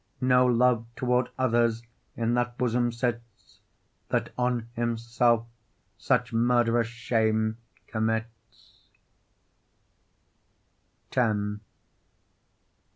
No love toward others in that bosom sits That on himself such murd'rous shame commits.